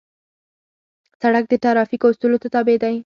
سړک د ترافیکو اصولو ته تابع دی.